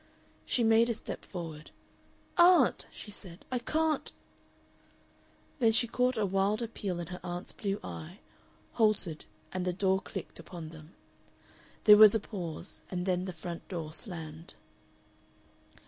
She made a step forward. "Aunt!" she said, "I can't " Then she caught a wild appeal in her aunt's blue eye, halted, and the door clicked upon them. There was a pause, and then the front door slammed....